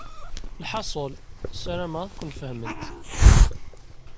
Lḥaṣul, ssarameɣ ad ken-fehment.